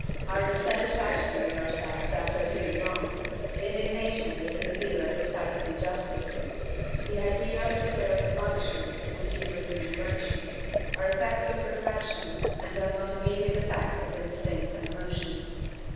Our dissatisfaction with ourselves after doing wrong, the indignation which we feel at the sight of injustice, the idea of deserved punishment and due remuneration, are effects of reflection, and not immediate effects of instinct and emotion.